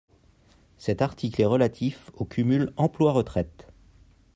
Cet article est relatif au cumul emploi-retraite.